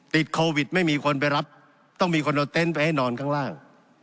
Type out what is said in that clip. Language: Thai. ติดโควิดไม่มีคนไปรับต้องมีคนเอาเต็นต์ไปให้นอนข้างล่าง